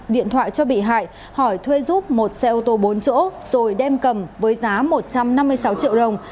điện thoại cho bị hại hỏi thuê giúp một xe ô tô bốn chỗ rồi đem cầm với giá một trăm năm mươi sáu triệu đồng